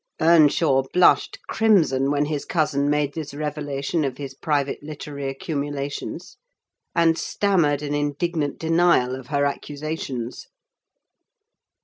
Earnshaw blushed crimson when his cousin made this revelation of his private literary accumulations, and stammered an indignant denial of her accusations.